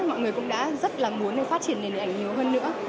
mọi người cũng đã rất là muốn phát triển nền hình ảnh nhiều hơn nữa